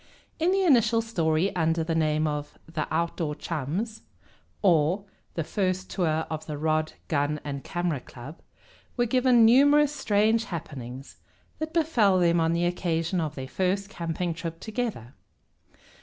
In the initial story, under the name of "The Outdoor Chums; or, The First Tour of the Rod, Gun, and Camera Club," were given numerous strange happenings that befell them on the occasion of their first camping trip together.